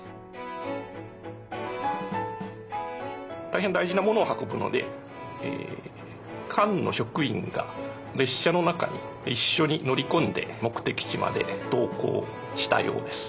大変大事なものを運ぶので館の職員が列車の中に一緒に乗り込んで目的地まで同行したようです。